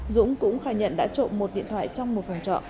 dũng cũng khai nhận đã trộm một điện thoại trong một phòng trọ